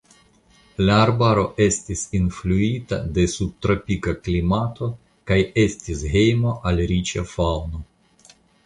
La arbaro estis influita de subtropika klimato kaj estis hejmo al riĉa faŭno.